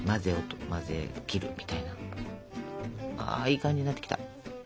ああいい感じになってきた。